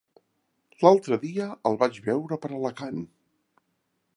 L'altre dia el vaig veure per Alacant.